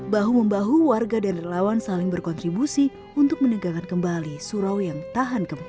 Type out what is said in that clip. bahu membahu warga dan relawan saling berkontribusi untuk menegakkan kembali surau yang tahan gempa